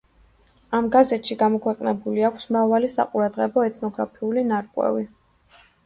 ამ გაზეთში გამოქვეყნებული აქვს მრავალი საყურადღებო ეთნოგრაფიული ნარკვევი.